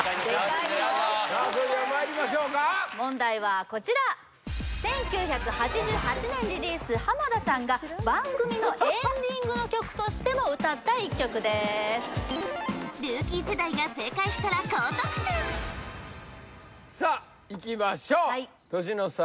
さあそれではまいりましょうか問題はこちら１９８８年リリース浜田さんが番組のエンディングの曲としても歌った１曲ですさあいきましょう年の差！